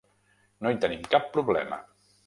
No hi tenim cap problema.